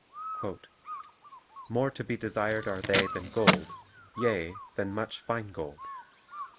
"More to be desired are they than gold, yea, than much fine gold.